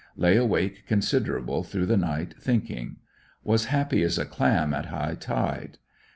Lay awake considerable through the night thinkinj. Was happy as a cUim in high tide.